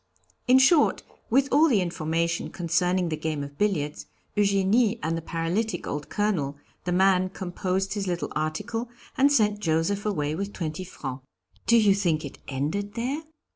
In short, with all the information concerning the game of billiards, Eugénie and the paralytic old Colonel, the man composed his little article, and sent Joseph away with twenty francs. Do you think it ended there?"